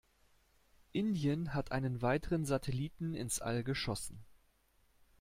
Indien hat einen weiteren Satelliten ins All geschossen.